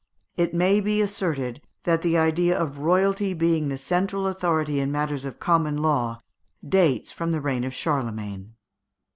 It may be asserted that the idea of royalty being the central authority in matters of common law dates from the reign of Charlemagne (Fig.